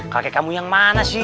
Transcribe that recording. kakek kamu yang mana sih